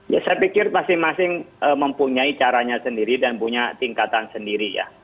ya saya pikir masing masing mempunyai caranya sendiri dan punya tingkatan sendiri ya